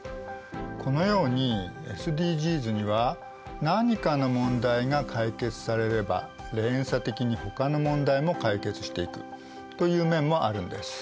このようにＳＤＧｓには何かの問題が解決されれば連鎖的にほかの問題も解決していくという面もあるんです。